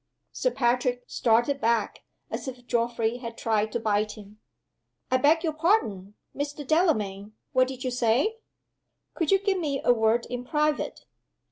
Sir Patrick started back, as if Geoffrey had tried to bite him. "I beg your pardon, Mr. Delamayn what did you say?" "Could you give me a word in private?"